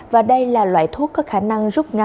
và đây là loại thuốc có khả năng rút ngắn